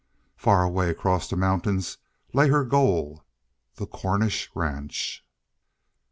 Far away across the mountains lay her goal the Cornish ranch.